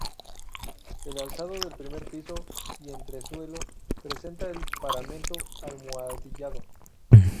El alzado del primer piso y entresuelo presenta el paramento almohadillado.